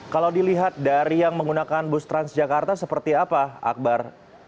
kalau dilihat dari yang menggunakan bus transjakarta seperti apa akbar